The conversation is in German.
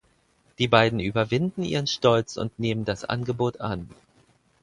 Die beiden überwinden ihren Stolz und nehmen das Angebot an.